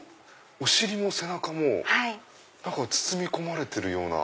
お尻も背中も包み込まれてるような。